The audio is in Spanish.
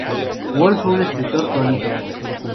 Wolf fue un escritor prolífico.